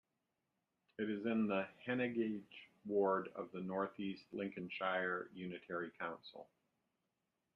It is in the Heneage ward of the North East Lincolnshire Unitary Council.